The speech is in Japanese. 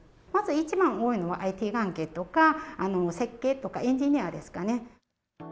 まず一番多いのはＩＴ関係とか、設計とか、エンジニアですかね。